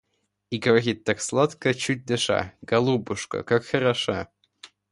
И говорит так сладко, чуть дыша: «Голубушка, как хороша!»